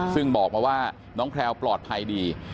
ซึ่งบอกมาว่าน้องแพลวปลอดภัยดี